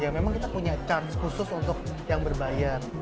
ya memang kita punya chance khusus untuk yang berbayar